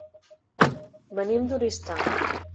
Venim d'Oristà.